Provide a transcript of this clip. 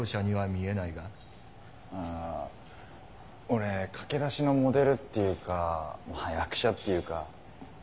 オレ駆け出しのモデルっていうかまあ役者っていうか。